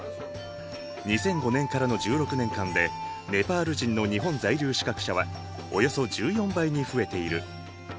２００５年からの１６年間でネパール人の日本在留資格者はおよそ１４倍に増えている。